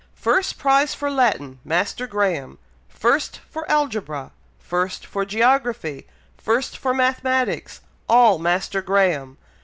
"First prize for Latin! Master Graham! First for algebra, first for geography, first for mathematics, all Master Graham!!!